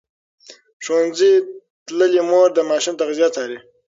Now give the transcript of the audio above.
ښوونځې تللې مور د ماشوم تغذیه څاري.